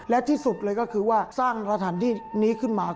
และที่สุดเลยก็คือว่าสร้างสถานที่นี้ขึ้นมา